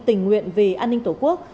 tình nguyện vì an ninh tổ quốc